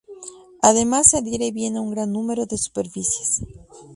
Además, se adhiere bien a un gran número de superficies.